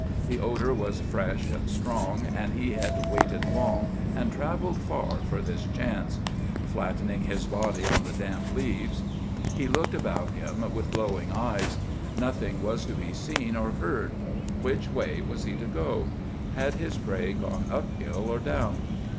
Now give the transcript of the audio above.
The odor was fresh and strong, and he had waited long and travelled far for this chance. Flattening his body on the damp leaves, he looked about him with glowing eyes. Nothing was to be seen or heard. Which way was he to go? Had his prey gone up hill or down?